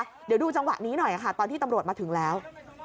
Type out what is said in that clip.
เดี๋ยวดูจังหวะนี้หน่อยค่ะตอนที่ตำรวจมาถึงแล้ว